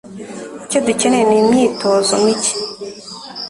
Icyo dukeneye ni imyitozo mike.